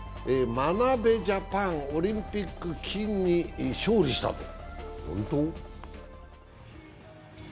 眞鍋ジャパン、オリンピック金に勝利したって。